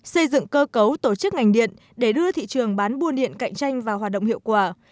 xây dựng cơ cấu tổ chức ngành điện để đưa thị trường bán buôn điện cạnh tranh vào hoạt động hiệu quả